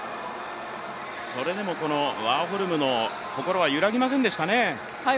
それでもこのワーホルムの心は揺らぎませんでしたね。